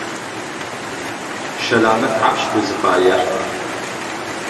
Щэлэмэ тхьапш узфаер?